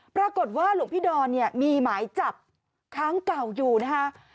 ปรากฏว่าหลวงพี่ดอนเนี่ยมีหมายจับค้างเก่าอยู่นะคะ